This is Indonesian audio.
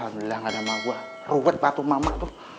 alhamdulillah gak ada emak gua ruwet banget tuh emak emak tuh